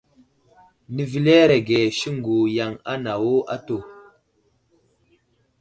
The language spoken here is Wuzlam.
Nəveleerege siŋgu yaŋ anawo atu.